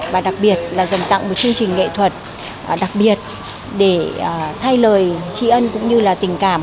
và đặc biệt là dần tặng một chương trình nghệ thuật đặc biệt để thay lời trí ân cũng như là tình cảm